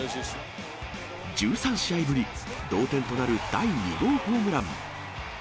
１３試合ぶり、同点となる第２号ホームラン。